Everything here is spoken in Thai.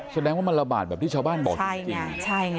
แสดงว่ามันระบาดแบบที่ชาวบ้านบอกจริง